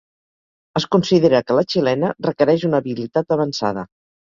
Es considera que la xilena requereix una habilitat avançada.